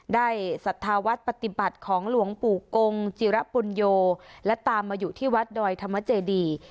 ศรัทธาวัฒน์ปฏิบัติของหลวงปู่กงจิระปุญโยและตามมาอยู่ที่วัดดอยธรรมเจดี